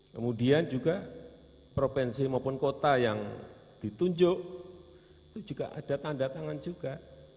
kemudian juga provinsi maupun kota yang ditunjuk itu juga ada tanda tangan juga